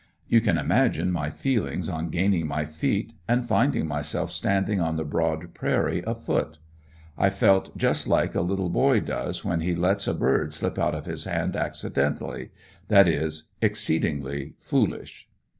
You can imagine my feelings on gaining my feet, and finding myself standing on the broad prairie afoot. I felt just like a little boy does when he lets a bird slip out of his hand accidently that is exceedingly foolish.